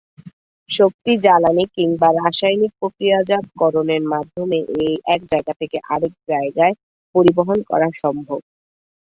শক্তি জ্বালানি কিংবা রাসায়নিক প্রক্রিয়াজাতকরণের মাধ্যমে এক জায়গা থেকে আরেক জায়গায় পরিবহন করা সম্ভব।